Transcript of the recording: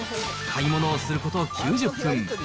買い物をすること９０分。